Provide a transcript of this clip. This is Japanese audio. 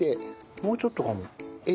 もうちょっとかも。